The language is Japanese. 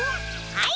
はい。